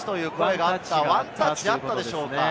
ワンタッチあったでしょうか？